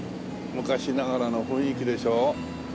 昔ながらの雰囲気でしょ。